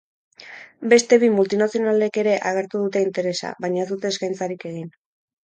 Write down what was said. Beste bi multinazionalek ere agertu dute interesa, baina ez dute eskaintzarik egin.